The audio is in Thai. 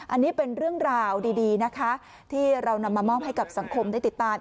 อันนี้เป็นเรื่องราวดีนะคะที่เรานำมามอบให้กับสังคมได้ติดตาม